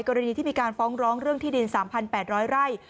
กรณีที่มีการฟ้องร้องเรื่องที่ดิน๓๘๐๐ไร่